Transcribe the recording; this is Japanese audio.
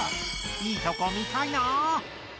いいとこ見たいな！